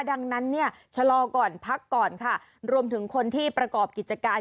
ดังนั้นเนี่ยชะลอก่อนพักก่อนค่ะรวมถึงคนที่ประกอบกิจการ